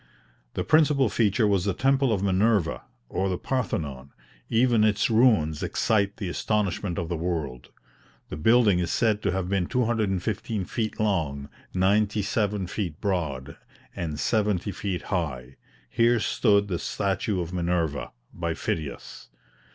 The principal feature was the temple of Minerva, or the Parthenon; even its ruins excite the astonishment of the world. The building is said to have been 215 feet long, ninety seven feet broad, and seventy feet high; here stood the statue of Minerva, by Phidias.